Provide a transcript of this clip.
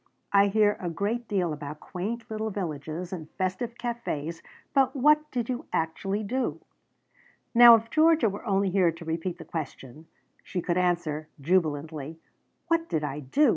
I hear a great deal about quaint little villages and festive cafes, but what did you actually do?" Now if Georgia were only here to repeat the question, she could answer jubilantly: "What did I do?